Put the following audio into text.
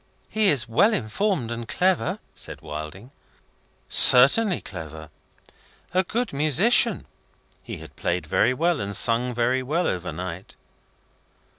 "He is well informed and clever," said Wilding. "Certainly clever." "A good musician." (He had played very well, and sung very well, overnight.)